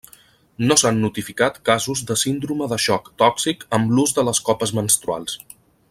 No s'han notificat casos de síndrome de xoc tòxic amb l'ús de les copes menstruals.